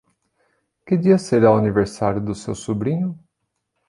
Que dia será o aniversário do seu sobrinho?